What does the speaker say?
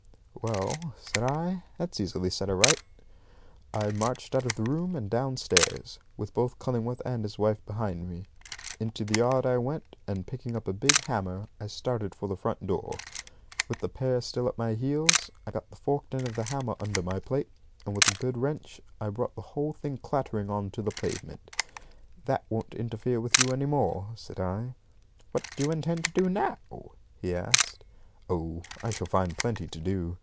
"Well," said I, "that's easily set right." I marched out of the room and downstairs, with both Cullingworth and his wife behind me. Into the yard I went, and, picking up a big hammer, I started for the front door, with the pair still at my heels. I got the forked end of the hammer under my plate, and with a good wrench I brought the whole thing clattering on to the pavement. "That won't interfere with you any more," said I. "What do you intend to do now?" he asked. "Oh, I shall find plenty to do.